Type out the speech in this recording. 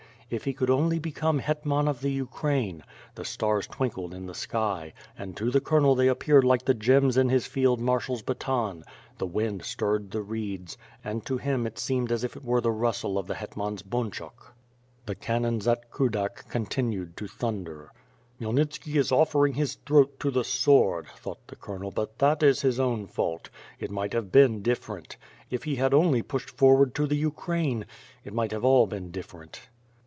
If he could only become hetman of the Ukraine! The stars twinkled in the sky, and to the colonel they appeared like the gems in his field marshaFs baton; the wind stirred the reeds, and to him it seemed as if it were the rustle of the hetman's bunchuk. The cannons at Kudak contiued to thunder. "Khmyelnitski is offering his throat to the sword," thought the colonel, but that is his owm fault. It might have been different. If he had only pushed forward to the Ukraine! ... It might all have been different."